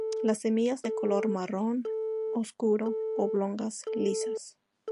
Las semillas de color marrón oscuro, oblongas, lisas.